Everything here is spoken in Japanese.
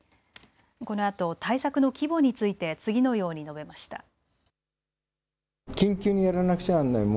このあと、対策の規模について次のように述べました。